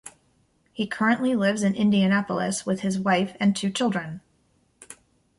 He currently lives in Indianapolis with his wife and two children.